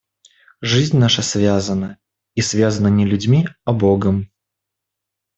Жизнь наша связана, и связана не людьми, а Богом.